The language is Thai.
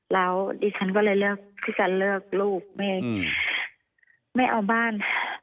แล้วดิฉันก็เลยเลือกที่จะเลือกลูกไม่เอาบ้าน